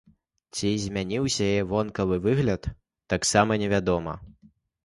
Ці змяняўся яе вонкавы выгляд, таксама невядома.